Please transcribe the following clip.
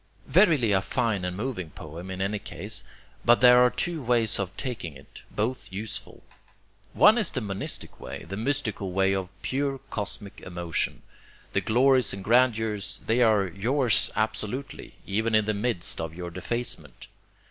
Verily a fine and moving poem, in any case, but there are two ways of taking it, both useful. One is the monistic way, the mystical way of pure cosmic emotion. The glories and grandeurs, they are yours absolutely, even in the midst of your defacements.